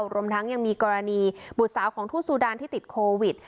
รวมทั้งยังมีกรณีบุตรสาวของทู่ซูดานที่ติดโควิด